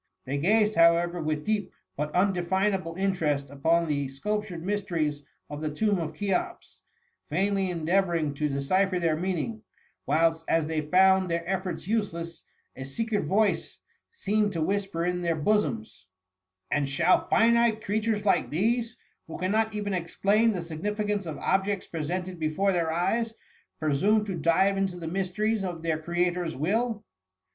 They gazed, however, with deep but undeiina ble interest upon the sculptured mysteries of the tomb of Cheops, vainly endeavouring to decipher their meaning ; whilst, as they found their efforts useless, a secret voice seemed to 216 THE MUMMY. whisper in their bosoms —^^ And shall finite creatures like these, who cannot even explain the signification of objects presented before their eyes, presume to dive into the mysteries of their Creator's will